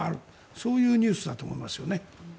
そういうニュースだと思います。